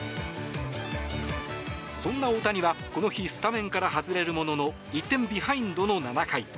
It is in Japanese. そんな大谷はこの日スタメンから外れるものの１点ビハインドの７回。